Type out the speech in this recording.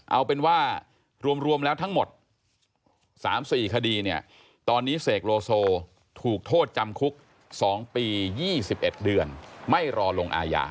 เอาเป็นว่ารวมแล้วทั้งหมด๓๔คดีเนี่ยตอนนี้เสกโลโซถูกโทษจำคุก๒ปี๒๑เดือนไม่รอลงอาญา